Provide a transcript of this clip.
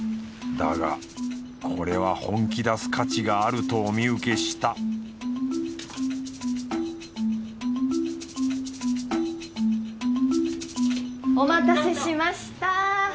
だがこれは本気出す価値があるとお見受けしたお待たせしました。